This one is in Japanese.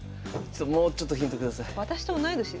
もうちょっとヒント下さい。